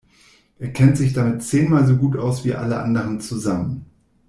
Er kennt sich damit zehnmal so gut aus, wie alle anderen zusammen.